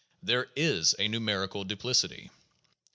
There is a numerical duplicity.